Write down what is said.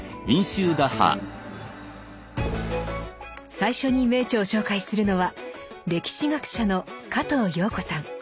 最初に名著を紹介するのは歴史学者の加藤陽子さん。